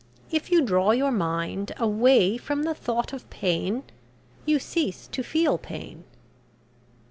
If you draw your mind away from the thought of pain, you cease to feel pain."